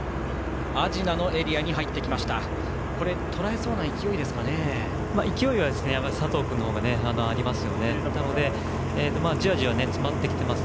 阿品のエリアに入ってきました。